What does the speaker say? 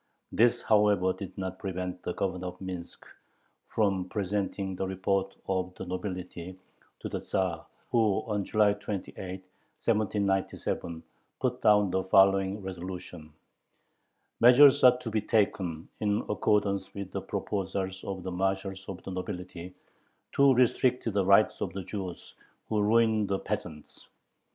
This, however, did not prevent the Governor of Minsk from presenting the report of the nobility to the Tzar, who on July 28, 1797, put down the following "resolution": "Measures are to be taken, in accordance with the proposals of the marshals of the nobility, to restrict the rights of the Jews who ruin the peasants."